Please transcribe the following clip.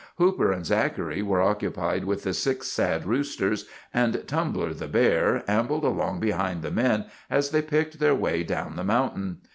Hooper and Zachary were occupied with the six sad roosters, and Tumbler, the bear, ambled along behind the men as they picked their way down the mountain.